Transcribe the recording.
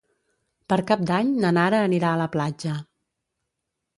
Per Cap d'Any na Nara anirà a la platja.